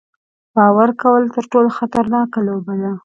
باور کول تر ټولو خطرناکه لوبه ده.